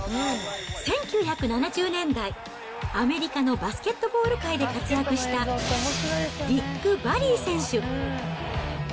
１９７０年代、アメリカのバスケットボール界で活躍した、リック・バリー選手。